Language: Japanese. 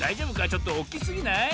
ちょっとおっきすぎない？